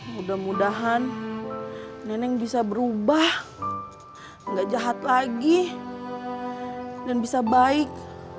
mudah mudahan neneng bisa berubah nggak jahat lagi dan bisa baik